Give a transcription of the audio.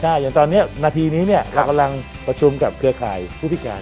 ใช่อย่างตอนนี้นาทีนี้เนี่ยเรากำลังประชุมกับเครือข่ายผู้พิการ